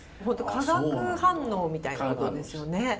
本当化学反応みたいなことですよね。